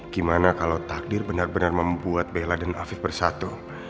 gimana kalau takdir benar benar membuat bella dan afif bersatu